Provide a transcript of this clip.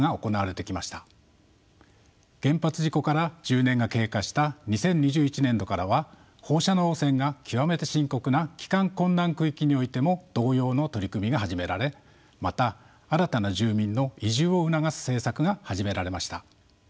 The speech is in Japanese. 原発事故から１０年が経過した２０２１年度からは放射能汚染が極めて深刻な帰還困難区域においても同様の取り組みが始められまた新たな住民の移住を促す政策が始められました。